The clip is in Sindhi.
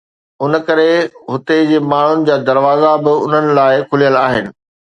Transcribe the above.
ان ڪري هتي جي ماڻهن جا دروازا به انهن لاءِ کليل آهن.